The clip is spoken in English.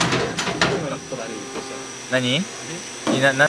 She had money.